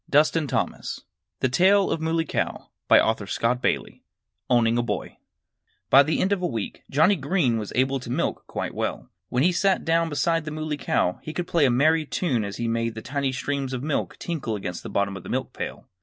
"If you had had a taste of it you would agree with me," said the Muley Cow. IV OWNING A BOY By the end of a week Johnnie Green was able to milk quite well. When he sat down beside the Muley Cow he could play a merry tune as he made the tiny streams of milk tinkle against the bottom of the milk pail.